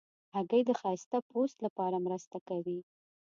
هګۍ د ښایسته پوست لپاره مرسته کوي.